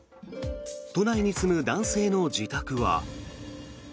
都内に住む男性の自宅は。